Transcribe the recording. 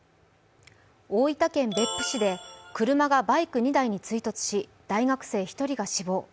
大分県別府市で車がバイク２台に衝突し大学生１人が死亡。